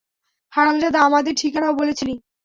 হারামজাদা, আমাদের ঠিকানাও বলেছিলি!